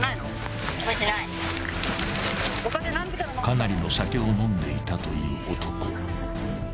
［かなりの酒を飲んでいたという男］